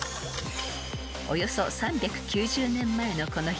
［およそ３９０年前のこの日